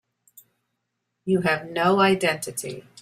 You have no identity.